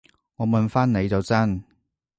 我問返你就真